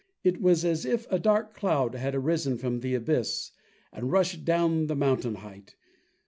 It was as if a dark cloud had arisen from the abyss and rushed down the mountain height.